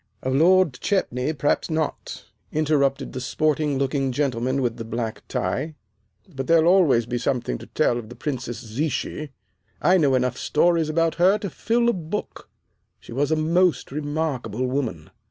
"Of Lord Chetney perhaps not," interrupted the sporting looking gentleman with the black tie, "but there'll always be something to tell of the Princess Zichy. I know enough stories about her to fill a book. She was a most remarkable woman."